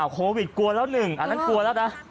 โควิดกลัวแล้วหนึ่งอันนั้นกลัวแล้วนะ